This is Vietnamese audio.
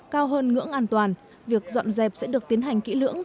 cao hơn ngưỡng an toàn việc dọn dẹp sẽ được tiến hành kỹ lưỡng